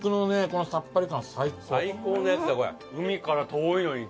最高のやつだこれ。